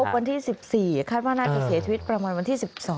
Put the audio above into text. วันที่๑๔คาดว่าน่าจะเสียชีวิตประมาณวันที่๑๒